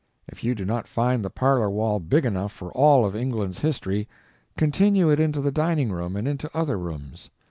If you do not find the parlor wall big enough for all of England's history, continue it into the dining room and into other rooms.